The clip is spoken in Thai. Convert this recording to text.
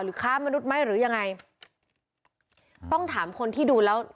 ค้ามนุษย์ไหมหรือยังไงต้องถามคนที่ดูแล้ว